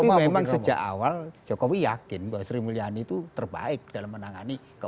ya waktu itu tapi memang sejak awal jokowi yakin bahwa sri mulyani itu terbaik dalam menangani keuangan